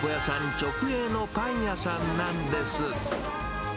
直営のパン屋さんなんです。